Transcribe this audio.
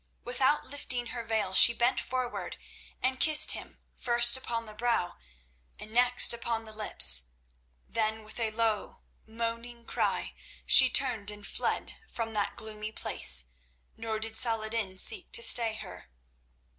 Without lifting her veil she bent forward and kissed him, first upon the brow and next upon the lips; then with a low, moaning cry, she turned and fled from that gloomy place, nor did Saladin seek to stay her.